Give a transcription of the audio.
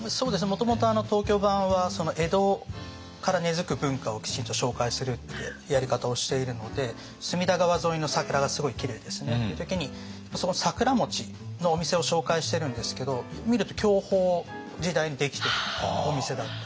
もともと東京版は江戸から根づく文化をきちんと紹介するってやり方をしているので隅田川沿いの桜がすごいきれいですねっていう時にその桜のお店を紹介してるんですけど見ると享保時代に出来てるお店だったり。